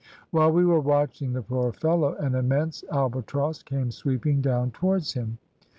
While we were watching the poor fellow an immense albatross came sweeping down towards him.